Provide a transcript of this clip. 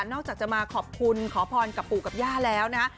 อกจากจะมาขอบคุณขอพรกับปู่กับย่าแล้วนะฮะ